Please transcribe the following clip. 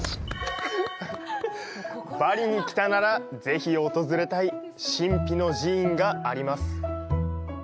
バリに来たならぜひ訪れたい神秘の寺院があります。